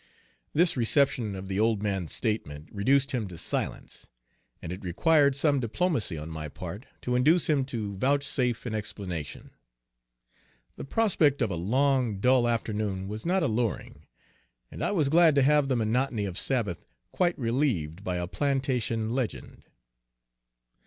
This reception of the old man's statement reduced him to silence, and it required some diplomacy on my part to Page 108 induce him to vouchsafe an explanation. The prospect of a long, dull afternoon was not alluring, and I was glad to have the monotony of Sabbath quiet relieved by a plantation legend.